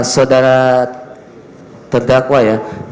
saudara terdakwa ya